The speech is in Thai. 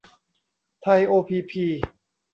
ไทย โอ พี พี